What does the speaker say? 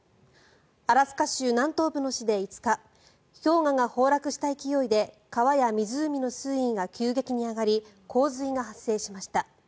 アラスカ州南東部の市で５日氷河が崩落した勢いで川や湖の水位が急激に上がり洪水が発生しました。